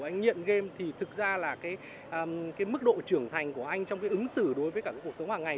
anh nghiện game thì thực ra là cái mức độ trưởng thành của anh trong cái ứng xử đối với cả cái cuộc sống hàng ngày